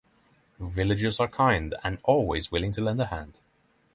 Villagers are kind and always willing to lend a hand.